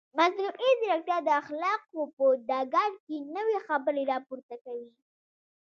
مصنوعي ځیرکتیا د اخلاقو په ډګر کې نوې خبرې راپورته کوي.